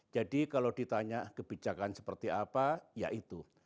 jadi kalau ditanya kebijakan seperti apa ya itu